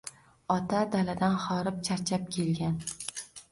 Ota daladan horib-charchab kelgan